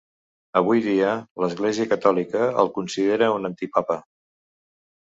Avui dia, l'Església Catòlica el considera un antipapa.